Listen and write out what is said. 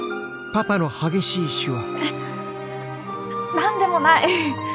何でもない！